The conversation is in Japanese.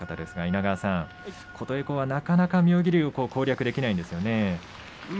稲川さん、琴恵光はなかなか妙義龍を攻略できませんね。